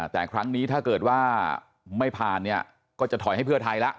แต่ครั้งนี้ถ้าเกิดว่าไม่ผ่านเนี่ยก็จะถอยให้เพื่อไทยแล้ว